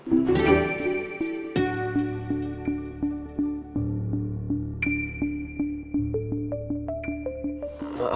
udah ada uangnya